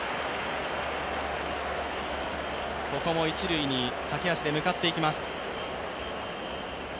一塁に駆け足で向かっていきます。